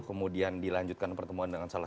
kemudian dilanjutkan pertemuan dengan salah